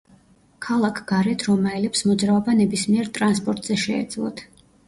ქალაქ გარეთ რომაელებს მოძრაობა ნებისმიერ ტრანსპორტზე შეეძლოთ.